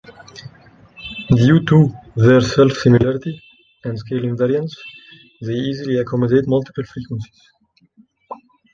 Due to their self-similarity and scale invariance, they easily accommodate multiple frequencies.